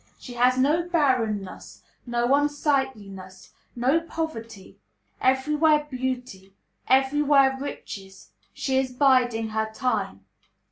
She has no barrenness, no unsightliness, no poverty; everywhere beauty, everywhere riches. She is biding her time.